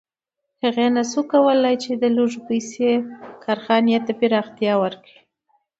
هغه نشي کولی په لږو پیسو کارخانې ته پراختیا ورکړي